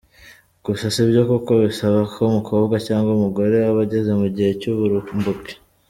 Gusa sibyo kuko bisaba ko umukobwa cyangwa umugore aba ageze mu gihe cy’uburumbuke.